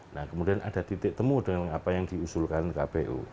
nah kemudian ada titik temu dengan apa yang diusulkan kpu